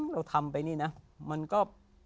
เราทำไปนี่นะมันก็